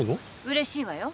うれしいわよ。